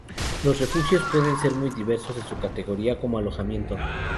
Los refugios pueden ser muy diversos en su categoría como alojamiento.